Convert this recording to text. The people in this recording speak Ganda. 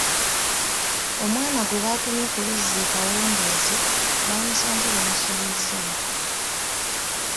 Omwana gwe baatumye ku luzzi ekawungeezi baamusanze bamusobezaako.